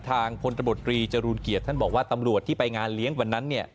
ทางพลตบตรีจรูลเกียรติท่านบอกว่าตำรวจที่ไปงานเลี้ยงวันนั้น